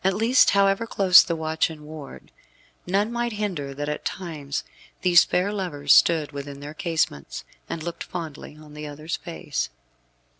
At least, however close the watch and ward, none might hinder that at times these fair lovers stood within their casements, and looked fondly on the other's face.